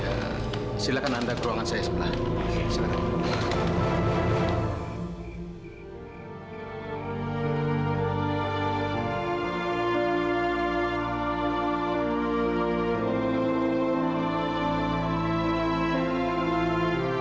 ya silakan anda ke ruangan saya sebelah